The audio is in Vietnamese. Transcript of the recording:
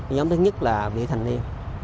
nhóm thứ nhất là vị thành niên